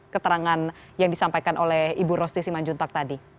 keterangan yang disampaikan oleh ibu rosti simanjuntak tadi